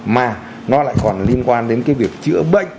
mà nó lại còn liên quan đến cái việc chữa bệnh